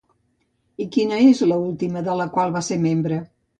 I quina és l'última de la qual va ser membre?